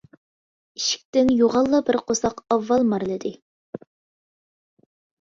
ئىشىكتىن يوغانلا بىر قورساق ئاۋۋال مارىلىدى.